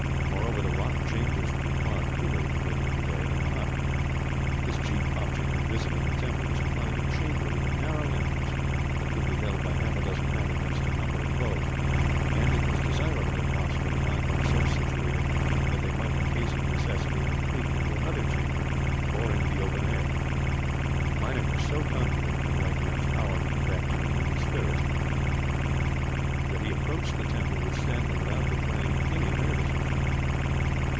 Moreover, the rock chambers would be far cooler, in the middle of the day, than the hut. His chief object in visiting the temple was to find a chamber with a narrow entrance, that could be held by half a dozen men against a number of foes; and it was desirable, if possible, to find one so situated that they might, in case of necessity, retreat into another chamber, or into the open air. Meinik was so confident, in the white man's power to combat even evil spirits, that he approached the temple with Stanley without betraying any nervousness.